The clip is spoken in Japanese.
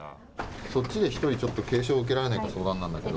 そっちで１人、ちょっと軽症受けられないか、相談なんだけど。